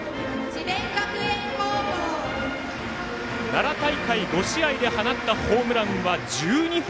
奈良大会５試合で放ったホームランは１２本。